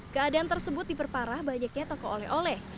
keadaan tersebut diperparah banyaknya toko oleh oleh